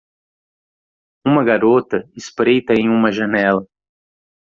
Uma garota espreita em uma janela.